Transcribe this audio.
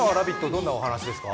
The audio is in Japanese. どんなお話ですか？